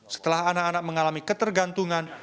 setelah anak anak mengalami ketergantungan